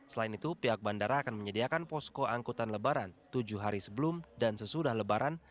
selain itu pihak bandara akan menyediakan posko angkutan lebaran tujuh hari sebelum dan sesudah lebaran